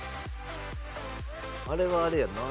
あれはあれやな。